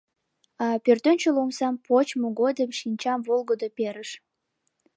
А пӧртӧнчыл омсам почмо годым шинчам волгыдо перыш.